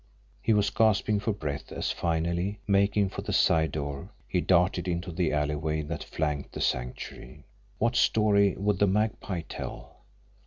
He was gasping for breath as finally, making for the side door, he darted into the alleyway that flanked the Sanctuary. What story would the Magpie tell?